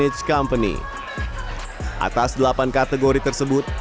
kategori terakhir adalah best banking dan best investor relations